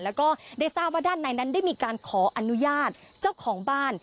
แล้วก็ได้ทราบว่าด้านในนั้นได้มีการขออนุญาตเจ้าของบ้าน